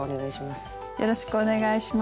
よろしくお願いします。